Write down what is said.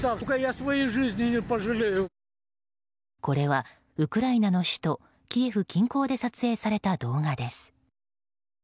これはウクライナの首都キエフ近郊で撮影された動画です。